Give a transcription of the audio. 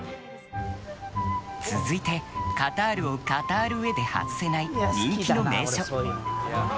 続いて、カタールを語るうえで外せない人気の名所。